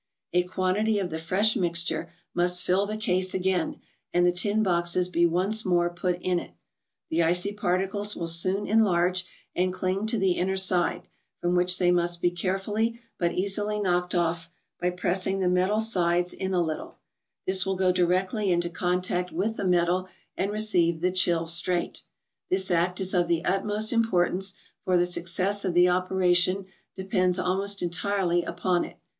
A quantity of the fresh mixture must fill the case again, and the tin boxes be once more put in it. The icy particles will soon enlarge, and cling to the inner side, from which they must be carefully but easily knocked off, by press¬ ing the metal sides in a little ; this will spring them off, and the water not yet congealed will go directly into contact with the metal, and receive the chill straight. This act is of the utmost importance, for the success of the operation depends almost entirely upon it.